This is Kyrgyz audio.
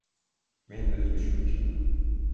Мен өз күчүмө ишенем.